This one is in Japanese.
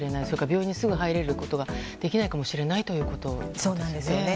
病院にすぐ入ることができないかもしれないということですね。